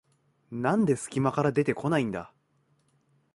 なんですき間から出てこないんだ